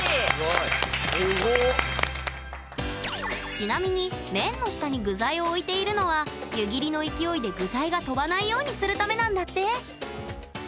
ちなみに麺の下に具材を置いているのは湯切りの勢いで具材が飛ばないようにするためなんだって！